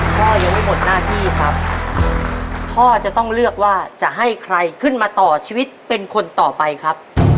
พ่อยังไม่หมดหน้าที่ครับพ่อจะต้องเลือกว่าจะให้ใครขึ้นมาต่อชีวิตเป็นคนต่อไปครับ